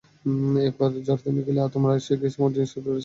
একবার ঝড় থেমে গেলে তোমার ওই গিজমো জিনিসটাতে স্পষ্ট রিডিং পেতে পারবে।